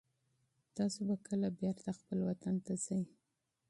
تاسو به کله بېرته خپل وطن ته ځئ؟